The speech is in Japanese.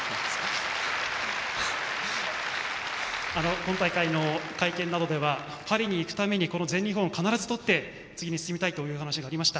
今大会の会見などではパリに行くためにこの全日本を必ずとって次に進みたいというお話がありました。